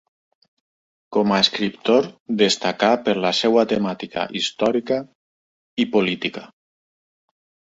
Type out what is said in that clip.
Com a escriptor destacà per la seva temàtica històrica i política.